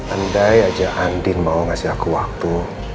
andai aja andin mau ngasih aku waktu